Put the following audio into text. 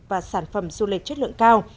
và sản phẩm du lịch chất lượng cao